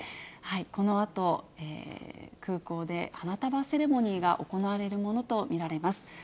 このあと、空港で花束セレモニーが行われるものと見られます。